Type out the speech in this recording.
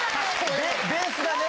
ベースがね